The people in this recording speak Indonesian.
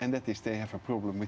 dan itu juga membuat